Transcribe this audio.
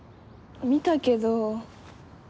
見たけど。